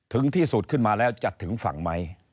ถึงที่สุดขึ้นมาแล้วจะถึงฝั่งไหม